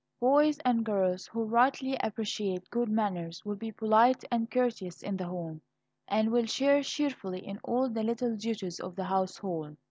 Boys and girls who rightly appreciate good manners will be polite and courteous in the home, and will share cheerfully in all the little duties of the household.